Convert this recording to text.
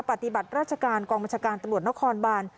ปฏิบัติราชการกองบัญชาการตำรวจนครบาน